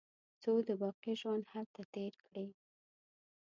څو د باقي ژوند هلته تېر کړي.